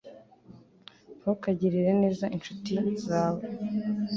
NNtukagirire neza inshuti zawe